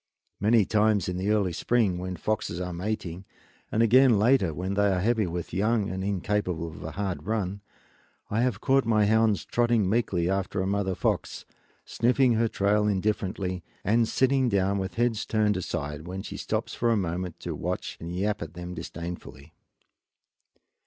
Many times, in the early spring, when foxes are mating, and again later when they are heavy with young and incapable of a hard run, I have caught my hounds trotting meekly after a mother fox, sniffing her trail indifferently and sitting down with heads turned aside when she stops for a moment to watch and yap at them disdainfully.